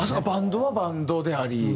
バンドはバンドであり。